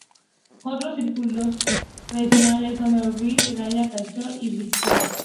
Otros circuitos tradicionales son Darlington, Talladega, Charlotte y Bristol.